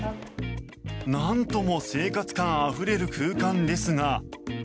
なんとも生活環あふれる空間ですが。